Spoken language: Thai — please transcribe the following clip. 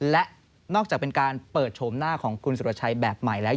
และนอกจากเป็นการเปิดโฉมหน้าของคุณสุรชัยแบบใหม่แล้ว